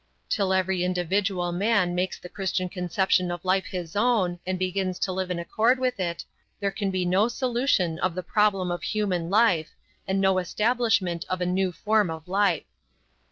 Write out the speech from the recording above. Till every individual man makes the Christian conception of life his own, and begins to live in accord with it, there can be no solution of the problem of human life, and no establishment of a new form of life.